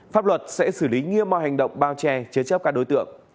pháp luật sẽ xử lý nghiêm mọi hành động bao che chế chấp các đối tượng